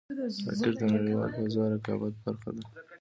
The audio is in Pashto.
راکټ د نړیوال فضا رقابت برخه ده